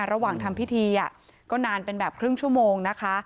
ระหว่างทำพิธีก็นานเป็นแบบครึ่งชั่วโมงนะคะ